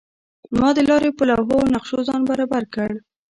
ما د لارې په لوحو او نقشو ځان برابر کړ.